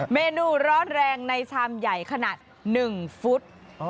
เมนูร้อนแรงในชามใหญ่ขนาด๑ฟุต